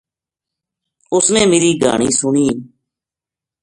اُس نے میری گہانی سُنی